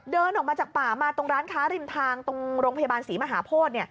เดินออกมาจากป่ามาตรงร้านค้าริมทางตรงโรงพยาบาลศรีมหาโพธิ